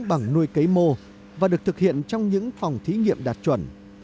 bằng nuôi cấy mô và được thực hiện trong những phòng thí nghiệm đạt chuẩn